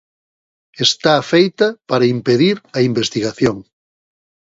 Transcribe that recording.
Está feita para impedir a investigación.